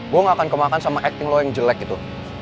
gue gak akan kemakan sama acting lo yang jelek gitu